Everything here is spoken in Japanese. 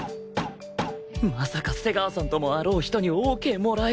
まさか瀬川さんともあろう人にオーケーもらえるとは